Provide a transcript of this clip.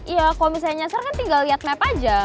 ya kalau misalnya nyasar kan tinggal lihat map aja